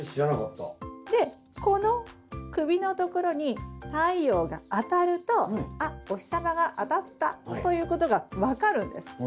でこの首のところに太陽が当たるとあっお日様が当たったということが分かるんです。